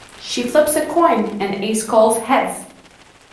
She flips a coin, and Ace calls "heads".